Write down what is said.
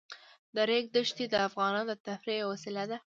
د ریګ دښتې د افغانانو د تفریح یوه وسیله ده.